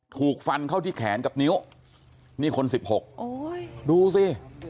ถูกฟันเข้าที่แขนกับนิ้วนี่คนสิบหกโอ้ยดูสิ